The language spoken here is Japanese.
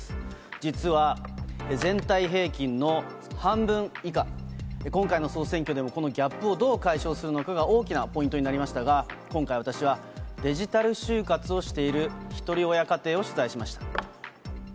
実は、全体平均の半分以下、今回の総選挙でもこのギャップをどう解消するのかが大きなポイントになりましたが、今回、私はデジタル就活をしているひとり親家庭を取材しました。